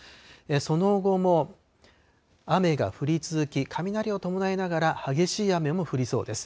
その後も雨が降り続き、雷を伴いながら、激しい雨も降りそうです。